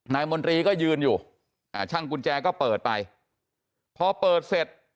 มนตรีก็ยืนอยู่อ่าช่างกุญแจก็เปิดไปพอเปิดเสร็จ